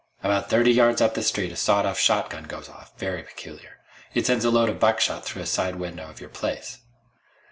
About thirty yards up the street a sawed off shotgun goes off. Very peculiar. It sends a load of buckshot through a side window of your place."